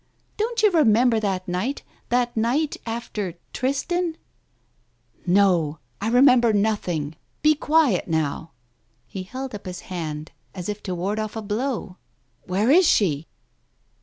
Don't you remember that night — that night after ' Tristan '?" "No, I remember nothing. Be quiet, now!" He held up his hand, as if to ward off a blow. "Where is she?"